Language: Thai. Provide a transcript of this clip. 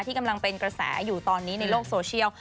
กำลังเป็นกระแสอยู่ตอนนี้ในโลกโซเชียล